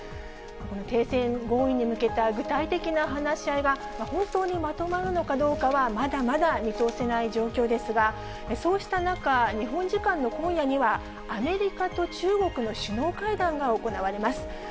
この停戦合意に向けた具体的な話し合いが、本当にまとまるのかどうかは、まだまだ見通せない状況ですが、そうした中、日本時間の今夜には、アメリカと中国の首脳会談が行われます。